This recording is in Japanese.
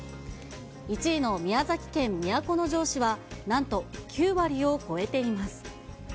１位の宮崎県都城市はなんと９割を超えています。